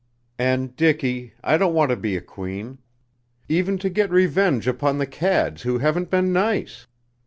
And, Dicky, I don't want to be a queen even to get revenge upon the cads who haven't been nice.